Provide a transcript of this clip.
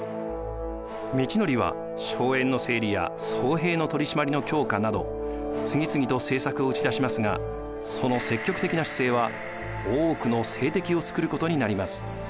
通憲は荘園の整理や僧兵の取り締まりの強化など次々と政策を打ち出しますがその積極的な姿勢は多くの政敵をつくることになります。